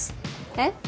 えっ？